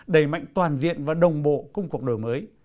đầy mạnh toàn diện và đồng bộ công cuộc đổi mới